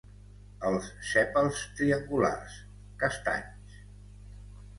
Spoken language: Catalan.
Els sèpals triangulars, castanys.